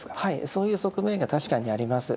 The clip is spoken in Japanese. そういう側面が確かにあります。